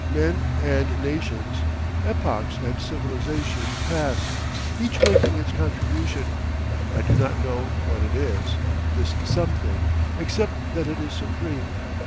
Men and nations, epochs and civilisation pass each making its contribution I do not know what it is, this something, except that it is supreme.